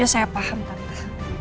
ya saya paham tante